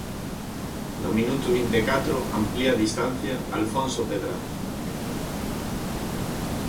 No minuto vinte e catro amplía a distancia Alfonso Pedraza.